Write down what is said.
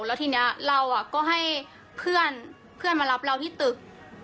แล้วทีนี้เราก็ให้เพื่อนมารับเราที่ตึก